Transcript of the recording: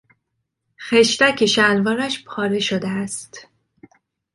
خشتک شلوارش پاره شده است.